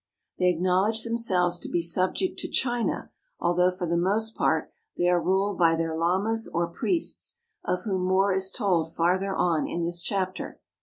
They acknowledge themselves to be subject to China, although for the most part they are ruled by their lamas or priests, of whom more is told farther on in this chapter.